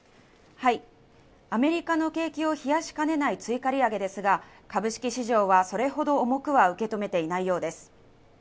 アメリカの景気を冷やしかねない追加利上げですが、株式市場はそれほど重くは受け止めていないようです。